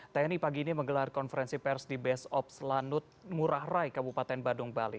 tni pagi ini menggelar konferensi pers di base ops lanut ngurah rai kabupaten badung bali